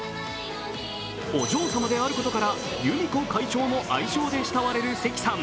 お嬢様であることから、有美子会長の相性で慕われる関さん。